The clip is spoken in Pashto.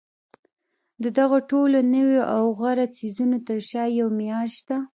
د دغو ټولو نویو او غوره څیزونو تر شا یو معیار شته